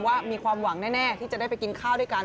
ว่ามีความหวังแน่ที่จะได้ไปกินข้าวด้วยกัน